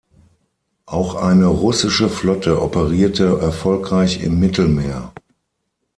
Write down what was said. Auch eine russische Flotte operierte erfolgreich im Mittelmeer.